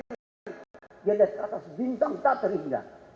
dia ada teratas bintang tak terindah